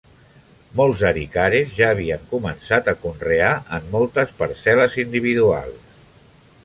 Molts arikares ja havien començat a conrear en moltes parcel·les individuals.